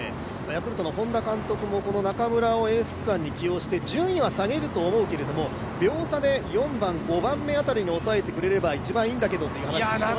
ヤクルトの本田監督も中村をエース区間に起用して順位は下げると思うけれども、秒差で４番、５番目あたりにおさえてくれれば一番いいんだけどと話してました。